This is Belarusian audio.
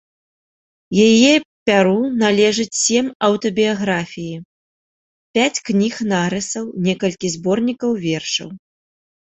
Яе пяру належыць сем аўтабіяграфіі, пяць кніг нарысаў, некалькі зборнікаў вершаў.